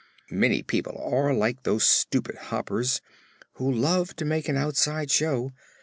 Many people are like those stupid Hoppers, who love to make an outside show.